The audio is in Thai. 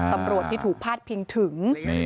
ตำรวจที่ถูกพาดพิงถึง